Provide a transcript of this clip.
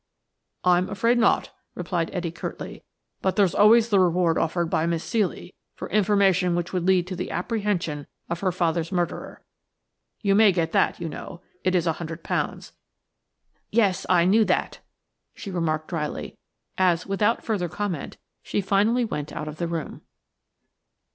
"I am afraid not," replied Etty, curtly; "but there's always the reward offered by Miss Ceely for information which would lead to the apprehension of her father's murderer. You may get that, you know. It is a hundred pounds." "Yes! I knew that," she remarked dryly, as, without further comment, she finally went out of the room.